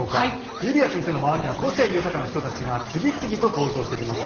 ゆりあ先生の周りには個性豊かな人たちが次々と登場してきます。